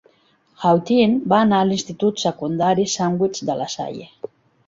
Hawtin va anar a l'institut secundari Sandwich, de LaSalle.